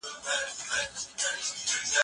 که زه وخت ولرم نو په کورس کي به ګډون وکړم.